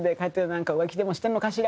浮気でもしてんのかしら？